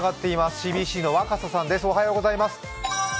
ＣＢＣの若狭さんです。